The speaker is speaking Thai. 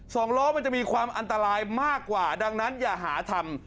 สองล้อมันจะมีความอันตรายมากกว่าดังนั้นอย่าหาทำ